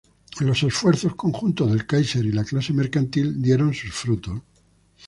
Los esfuerzos conjuntos del "Kaiser" y la clase mercantil dieron sus frutos.